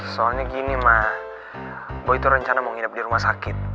soalnya gini mah gue itu rencana mau ngidap di rumah sakit